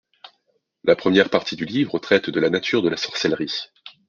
La première partie du livre traite de la nature de la sorcellerie.